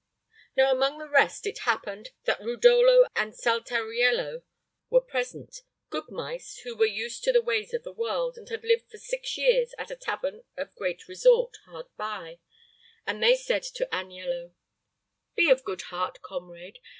Now among the rest it happened that Rudolo and Saltariello were present, good mice who were used to the ways of the world, and had lived for six years at a tavern of great resort hard by, and they said to Aniello: "Be of good heart, comrade!